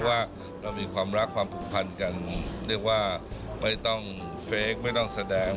ว่าเรามีความรักความผูกพันกันเรียกว่าไม่ต้องเฟคไม่ต้องแสดง